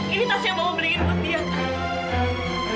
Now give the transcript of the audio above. ini tas yang mama beliin buat dia kan